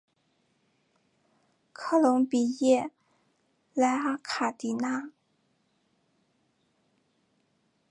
科隆比耶莱卡尔迪纳。